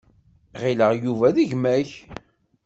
Ɣileɣ Yuba d gma-k.